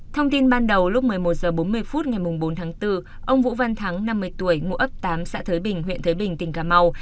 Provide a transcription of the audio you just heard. thông tin ban đầu lúc một mươi một h bốn mươi phút ngày bốn tháng bốn ông vũ văn thắng năm mươi tuổi ngụ ấp tám xã thới bình huyện thới bình tỉnh cà mau